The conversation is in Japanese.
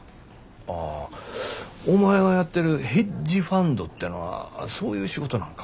ああお前がやってるヘッジファンドてのはそういう仕事なんか。